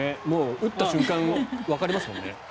打った瞬間わかりますよね。